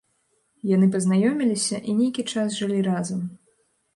Яны пазнаёміліся і нейкі час жылі разам.